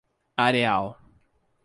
Areal